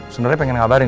sebenernya pengen ngabarin